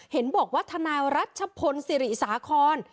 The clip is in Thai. เห็นบอกว่าทนารัชผลศรีสาคอน